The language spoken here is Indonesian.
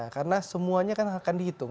karena semuanya kan akan dihitung